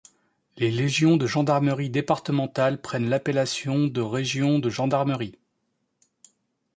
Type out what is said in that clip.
Les légions de gendarmerie départementale prennent l'appellation de régions de gendarmerie.